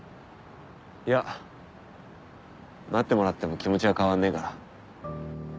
いや待ってもらっても気持ちは変わんねえから。